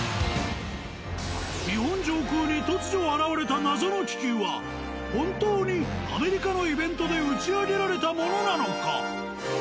日本上空に突如現れた謎の気球は本当にアメリカのイベントで打ち上げられたものなのか？